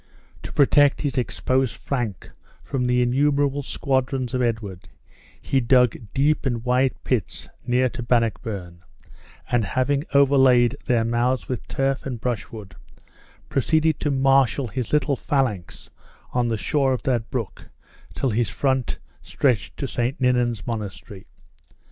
To protect his exposed flank from the innumerable squadrons of Edward, he dug deep and wide pits near to Bannockburn, and having overlaid their mouths with turf and brushwood, proceeded to marshal his little phalanx on the shore of that brook till his front stretched to St. Ninan's Monastery.